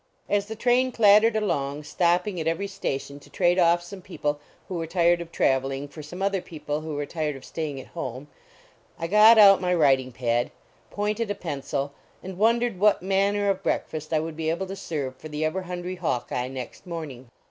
As the train clattered along, stopping at every station to trade off some people who were tired of trav eling for some other people who were tired of staying at home, I got out my writing pad, 197 THE BRAKEMAN AT CHURCH pointed a pencil, and wondered what manner of breakfast I would be able to serve for the ever hungry " Hawkeye " next morning.